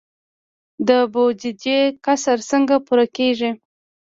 د بودیجې کسر څنګه پوره کیږي؟